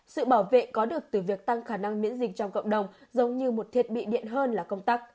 sự bảo vệ có được từ việc tăng khả năng miễn dịch trong cộng đồng giống như một thiết bị điện hơn là công tắc